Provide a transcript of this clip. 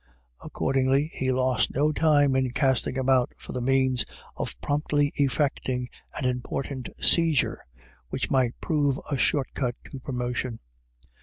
Accordingly he lost no time in casting about for the means of promptly effecting an important seizure, which might prove a short cut to promo tion.